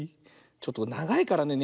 ちょっとながいからね